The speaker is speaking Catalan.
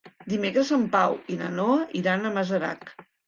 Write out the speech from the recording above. Dimecres en Pau i na Noa iran a Masarac.